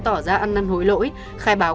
tỏ ra ăn năn hối lỗi khai báo